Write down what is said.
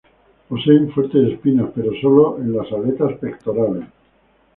Poseen fuertes espinas pero sólo en las aletas pectorales.